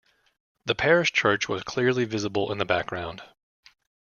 The parish church was clearly visible in the background.